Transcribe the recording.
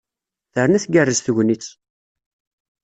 Terna tgerrez tegnit!